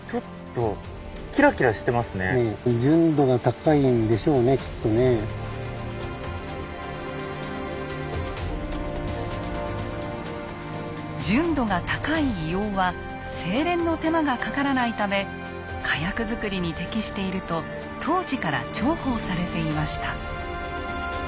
ちょっと純度が高い硫黄は精錬の手間がかからないため火薬づくりに適していると当時から重宝されていました。